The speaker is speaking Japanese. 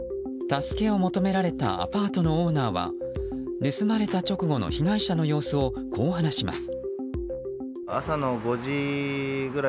助けを求められたアパートのオーナーは盗まれた直後の被害者の様子をこう話します。